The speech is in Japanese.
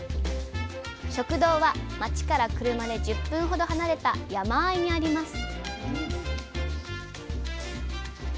食堂は街から車で１０分ほど離れた山あいにあります